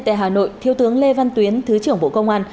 tại hà nội thiếu tướng lê văn tuyến thứ trưởng bộ công an